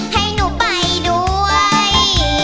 ให้หนูไปด้วย